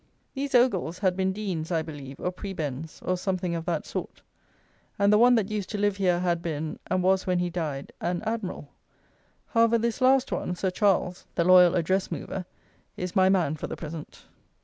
These Ogles had been deans, I believe; or prebends, or something of that sort: and the one that used to live here had been, and was when he died, an "admiral." However, this last one, "Sir Charles," the loyal address mover, is my man for the present.